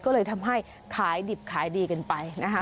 ก็เลยทำให้ขายดิบขายดีกันไปนะคะ